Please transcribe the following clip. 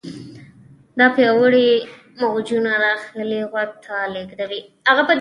دا پیاوړي موجونه داخلي غوږ ته لیږدوي.